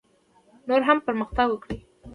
نور هم پرمختګ وکړي.